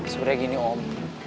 sebenernya gini om